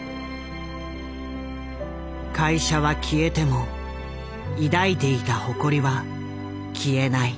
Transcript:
会社は消えても抱いていた誇りは消えない。